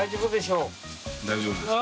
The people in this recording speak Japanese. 大丈夫ですか？